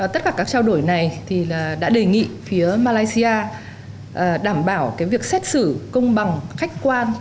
tất cả các trao đổi này đã đề nghị phía malaysia đảm bảo việc xét xử công bằng khách quan